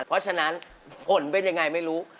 เพราะฉะนั้นผลเป็นยังไงไม่รู้